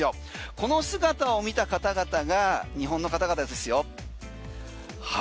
この姿を見た方々が日本の方々ですよ。